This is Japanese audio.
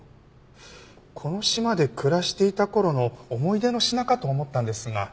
この島で暮らしていた頃の思い出の品かと思ったんですが。